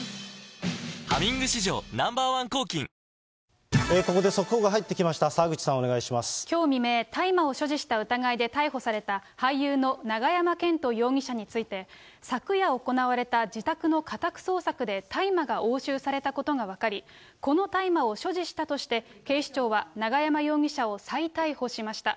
「ハミング」史上Ｎｏ．１抗菌ここで速報が入ってきました、澤口さん、きょう未明、大麻を所持した疑いで逮捕された俳優の永山絢斗容疑者について、昨夜行われた自宅の家宅捜索で大麻が押収されたことが分かり、この大麻を所持したとして、警視庁は永山容疑者を再逮捕しました。